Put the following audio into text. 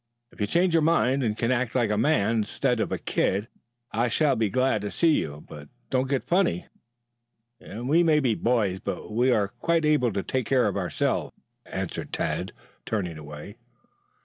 If you change your mind and can act like a man, instead of a kid, I shall be glad to see you. But don't get funny. We may be boys but we are quite able to take care of ourselves," answered Tad, turning away.